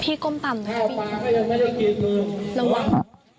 พี่ก้มต่ำนะครับพี่ระวัง